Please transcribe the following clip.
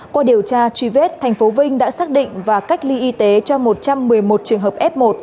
qua điều tra truy vết thành phố vinh đã xác định và cách ly y tế cho một trăm một mươi một trường hợp f một